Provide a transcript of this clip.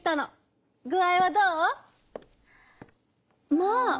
まあ！